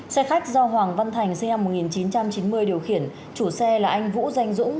xe khách do hoàng văn thành sinh năm một nghìn chín trăm chín mươi điều khiển chủ xe là anh vũ danh dũng